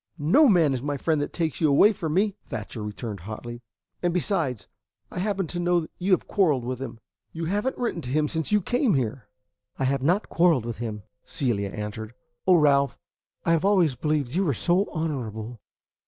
"No man is my friend that takes you away from me!" Thatcher returned hotly. "And besides, I happen to know you have quarrelled with him. You have n't written to him since you came here." "I have not quarrelled with him," Celia answered. "Oh, Ralph, I have always believed you were so honorable."